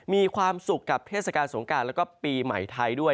มีความสุขกับเทศกาลสงการแล้วก็ปีใหม่ไทยด้วย